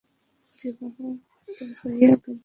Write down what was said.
বিবাহ তো হইয়া গেল।